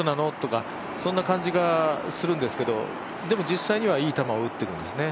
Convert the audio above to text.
みたいなそんな感じがするんですけど実際にはいい球を打ってるんです